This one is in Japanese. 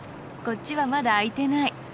こっちはまだ開いてない。